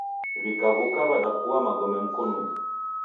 Wikawuka wadakua magome mkonunyi